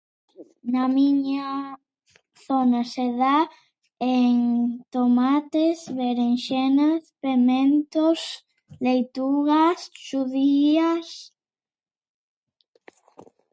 Na miña zona se dá en tomates, berenxenas, pementos, leitugas, xudías.